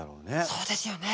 そうですよね。